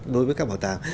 đối với các bảo tàng